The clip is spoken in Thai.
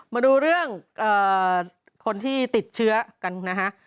มาดูเรื่องคนที่ติดเชื้อกันนะฮะ